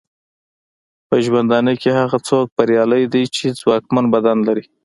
په ژوندانه کې هغه څوک بریالی دی چې ځواکمن بدن لري.